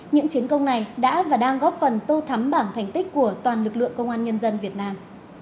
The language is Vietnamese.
những chiến công này đã và đang góp phần tô thắm bảng thành tích của toàn lực lượng công an nhân dân việt nam